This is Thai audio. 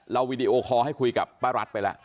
วีดีโอคอลให้คุยกับป้ารัฐไปแล้ว